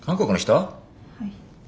はい。